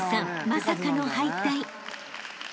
まさかの敗退］